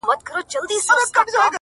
سترگي دي پټي كړه ويدېږمه زه ـ